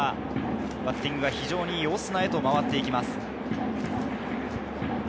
バッティングが非常にいいオスナへと回っていきます。